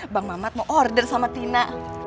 bang mamat mau order sama tina